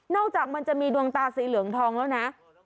จากมันจะมีดวงตาสีเหลืองทองแล้วนะ